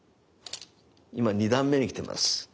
今２段目に来てます。